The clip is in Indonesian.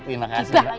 terima kasih mbak